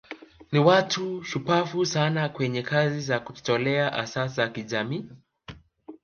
Ni watu shupavu sana kwenye kazi za kujitolea hasa za kijamii